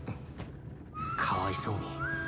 かわいそうに。